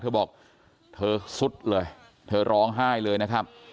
เธอบอกเธอสุดเลยเธอร้องไห้เลยนะครับ